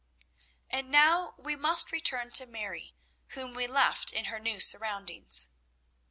And now we must return to Mary whom we left in her new surroundings.